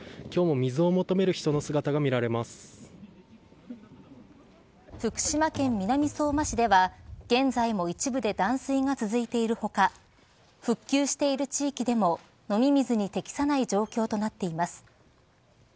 今日も福島県南相馬市では現在も一部で断水が続いている他復旧している地域でも飲み水に適さない状況となっています。